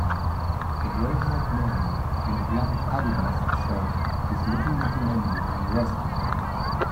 A grayhaired man in a black Adidas shirt is looking at a menu in a restaurant.